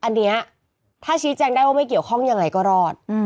อันนี้ถ้าชี้แจงได้ว่าไม่เกี่ยวข้องยังไงก็รอด